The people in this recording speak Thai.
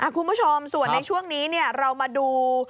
คุณผู้ชมส่วนในช่วงนี้เรามาดู